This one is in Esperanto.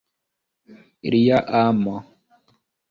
Lia amo.